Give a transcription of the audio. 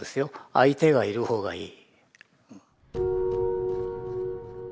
相手がいるほうがいい。